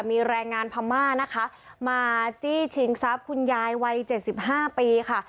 มีแรงงานพม่านะคะมาจี้ชิงซับคุณยายวัยเจ็ดสิบห้าปีค่ะ